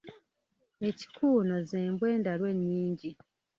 Ekikuuno z’embwa endalu ennyingi.